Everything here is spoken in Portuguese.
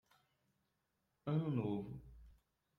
Ano novo